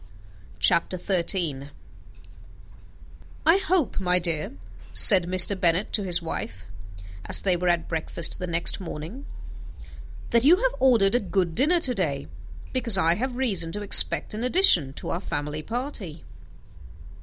CHAPTER XIII "I hope, my dear," said Mr. Bennet to his wife, as they were at breakfast the next morning, "that you have ordered a good dinner to day, because I have reason to expect an addition to our family party."